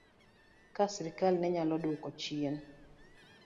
Ka sirkal ne nyalo dwoko chien